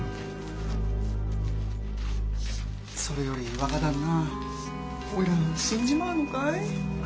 それより若旦那おいら死んじまうのかい？